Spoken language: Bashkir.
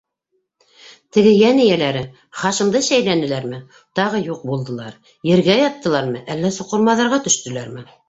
Теге йән эйәләре Хашимды шәйләнеләрме, тағы юҡ булдылар, ергә яттылармы, әллә соҡор-маҙарға төштөләрме?